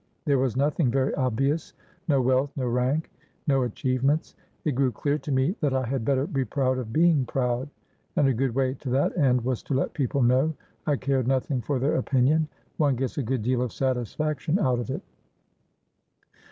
There was nothing very obviousno wealth, no rank, no achievements. It grew clear to me that I had better be proud of being proud, and a good way to that end was to let people know I cared nothing for their opinion. One gets a good deal of satisfaction out of it."